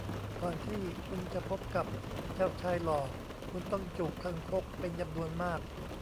ก่อนที่คุณจะพบกับเจ้าชายหล่อคุณต้องจูบคางคกเป็นจำนวนมาก